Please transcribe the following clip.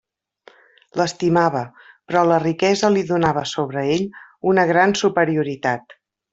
L'estimava; però la riquesa li donava sobre ell una gran superioritat.